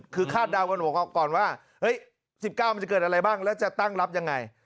คือคาดเดากันก่อนว่า๑๙มันจะเกิดอะไรบ้างแล้วจะตั้งรับยังไง